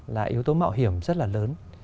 là yếu tố mạo hiểm rất là lớn